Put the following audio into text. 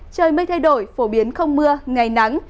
trời mây thay đổi phổ biến không mưa ngày nắng